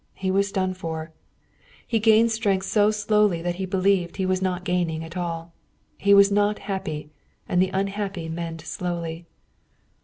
He was done for. He gained strength so slowly that he believed he was not gaining at all. He was not happy, and the unhappy mend slowly.